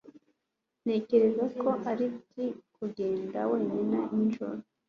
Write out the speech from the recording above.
Ntekereza ko ari bibi kugenda wenyine nijoro